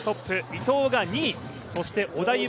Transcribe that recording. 伊藤が２位、そして織田夢